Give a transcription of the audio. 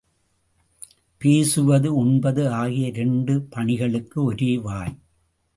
பேசுவது, உண்பது ஆகிய இரண்டு பணிகளுக்கு ஒரே வாய்.